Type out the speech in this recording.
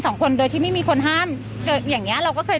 สองคนโดยที่ไม่มีคนห้ามอย่างเงี้ยเราก็เคย